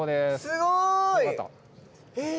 すごい。